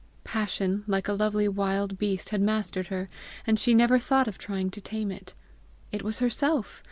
Passion, like a lovely wild beast, had mastered her, and she never thought of trying to tame it. It was herself!